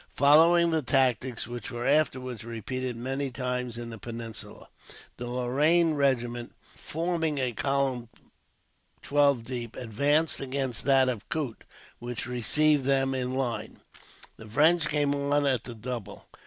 Following the tactics which were afterwards repeated many times in the Peninsula, the Lorraine regiment, forming a column twelve deep, advanced against that of Coote, which received them in line. The French came on at the double.